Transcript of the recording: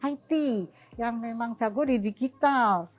it yang memang jago di digital